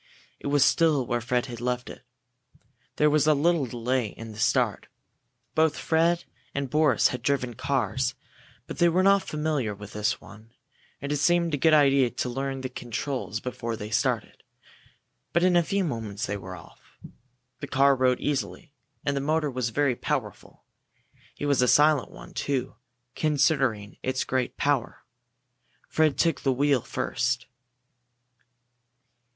It was still where Fred had left it. There was a little delay in the start. Both Fred and Boris had driven cars, but they were not familiar with this one, and it seemed a good idea to learn the controls before they started. But in a few moments they were off. The car rode easily, and the motor was very powerful. It was a silent one, too, considering its great power. Fred took the wheel first.